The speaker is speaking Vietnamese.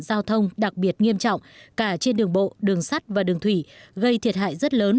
giao thông đặc biệt nghiêm trọng cả trên đường bộ đường sắt và đường thủy gây thiệt hại rất lớn